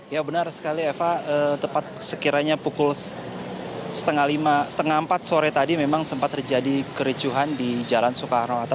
ya benar sekali eva tepat sekiranya pukul setengah empat sore tadi memang sempat terjadi kericuhan di jalan soekarno hatta